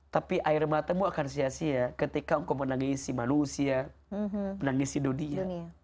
tapi air matamu akan sia sia ketika engkau menanggisi manusia menangisi dunia